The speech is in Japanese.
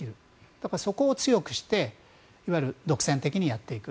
だから、そこを強くしていわゆる独占的にやっていく。